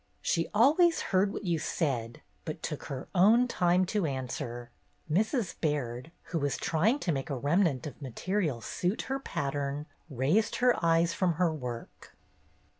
She always heard what you said, but took her own time to answer. Mrs. Baird, who was trying to make a remnant of material suit her pattern, raising her eyes from her work.